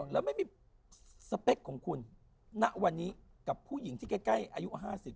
แล้วไม่มีสเปคของคุณณวันนี้กับผู้หญิงที่ใกล้อายุ๕๐